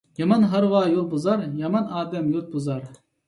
يامان ھارۋا يول بۇزار، يامان ئادەم يۇرت بۇزار.